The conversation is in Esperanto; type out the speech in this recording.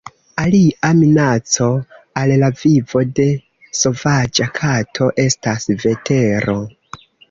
Alia minaco al la vivo de sovaĝa kato estas vetero.